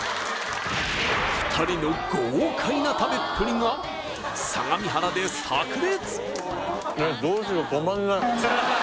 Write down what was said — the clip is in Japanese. ２人の豪快な食べっぷりが相模原でさく裂！